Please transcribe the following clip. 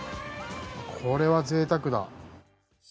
これはぜいたくだ。